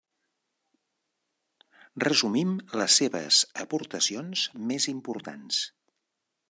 Resumim les seves aportacions més importants.